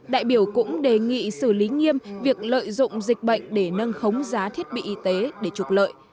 đại biểu cũng đề nghị xử lý nghiêm việc lợi dụng dịch bệnh để nâng khống giá thiết bị y tế để trục lợi